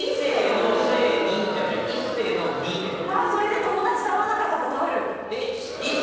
それで友達と合わなかったことある。